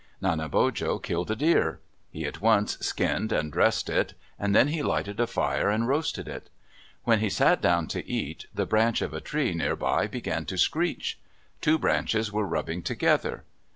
Nanebojo killed a deer. He at once skinned and dressed it, and then he lighted a fire and roasted it. When he sat down to eat, the branch of a tree near by began to screech. Two branches were rubbing together.